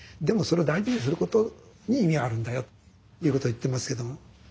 でもそれを大事にすることに意味があるんだよ」ということ言ってますけど。